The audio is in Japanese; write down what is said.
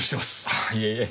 あーいえいえ。